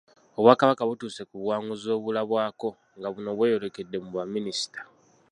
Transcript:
Obwakabaka butuuse ku buwanguzi obulabwako nga buno bweyolekedde mu Baminisita.